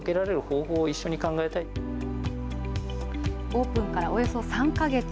オープンからおよそ３か月。